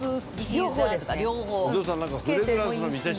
両方。